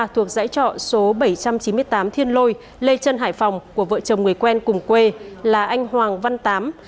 thuộc dãy trọ số bảy trăm chín mươi tám thiên lôi lê trân hải phòng của vợ chồng người quen cùng quê là anh hoàng văn tám